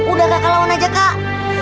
udah kakak lawan aja kak